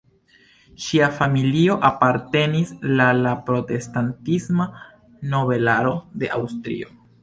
Ŝia familio apartenis la la protestantisma nobelaro de Aŭstrio.